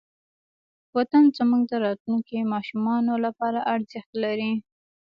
وطن زموږ د راتلونکې ماشومانو لپاره ارزښت لري.